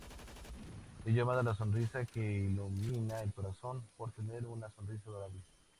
Es llamada "La sonrisa que ilumina el corazón" por tener una sonrisa adorable.